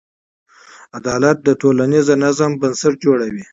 عدالت د ټولنیز نظم بنسټ جوړوي.